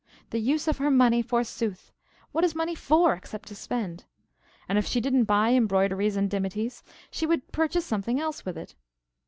The use of her money forsooth! What is money for except to spend? And if she didn't buy embroideries and dimities, she would purchase something else with it.